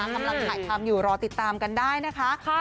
กำลังถ่ายทำอยู่รอติดตามกันได้นะคะ